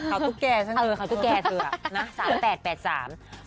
ข่าวตุ๊กแก่ซักหนึ่งข่าวตุ๊กแก่ซักหนึ่ง